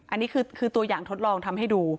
อันนี้คือตัวอย่างทดลองทำให้ดู